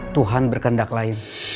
tuhan berkendak lain